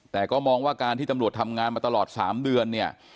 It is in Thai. แต่ก็มองว่าการที่ตำรวจทำงานมาตลอด๓เดือนเนี่ย